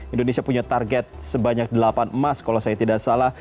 indonesia punya target sebanyak delapan emas kalau saya tidak salah